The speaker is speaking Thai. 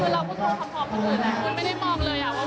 ที่แบบว่าจะมีครอบครัวเตรียมตัว